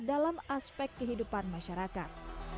dalam aspek kehidupan masyarakat